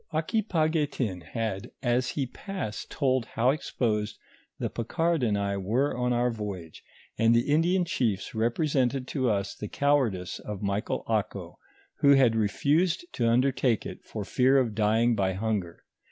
Aquipaguetin had, as he passed, told how exposed the Picard and I were on our voyage, and the Indian chiefs represented to us the cowardice of Michael Ako, who had refused to undertake it, for fear of dying by hunger.